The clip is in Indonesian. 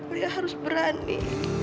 lia harus berani